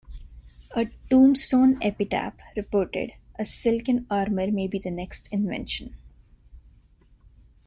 "The Tombstone Epitaph" reported, "A silken armor may be the next invention.